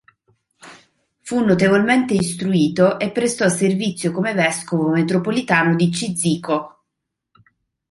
Fu notevolmente istruito e prestò servizio come vescovo metropolitano di Cizico.